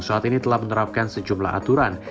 saat ini telah menerapkan sejumlah aturan